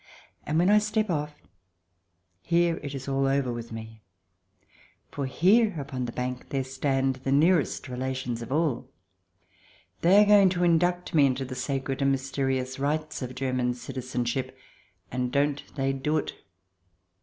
And when I step off here it is all oVer with me. For here upon the bank there stand the nearest relations of all. They are going to induct me into the sacred and mysterious rites of German citizenship. And don't they do it